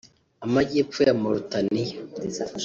Amajyepfo ya Mauritania